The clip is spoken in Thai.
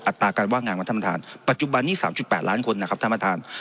อัตราการว่างานของท่านประทานปัจจุบันนี้สามจุดแปดล้านคนนะครับท่านประทาน